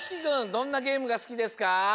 どんなゲームがすきですか？